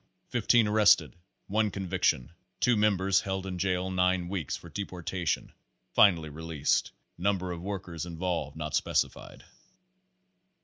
Fifteen arrested, one conviction, two members held in jail nine weeks for deportation finally released. Number of workers involved not specified.